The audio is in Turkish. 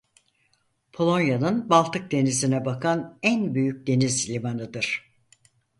Polonya'nın Baltık Denizi'ne bakan en büyük deniz limanıdır.